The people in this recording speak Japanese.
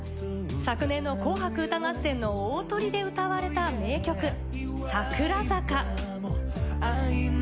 昨年の『紅白歌合戦』の大トリで歌われた名曲『桜坂』。